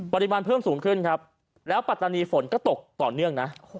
ปริมาณเพิ่มสูงขึ้นครับแล้วปัตตานีฝนก็ตกต่อเนื่องนะ